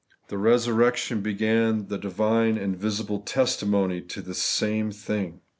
The resurrection began the divine and visible testimony to this same thing.